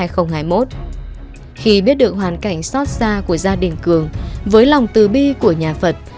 khi biết được hoàn cảnh xót xa của gia đình cường với lòng tư bi của nhà phật